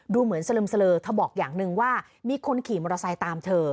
ดูเหมือนสลึมเสลือเธอบอกอย่างหนึ่งว่ามีคนขี่มอเตอร์ไซค์ตามเธอ